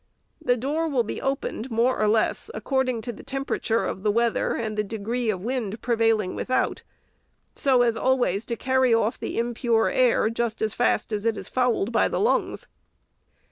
The door will be opened, more or less, according to the temperature of the weather and the de gree of wind prevailing without, so as always to carry off the impure air just as fast as it is fouled by the lungs.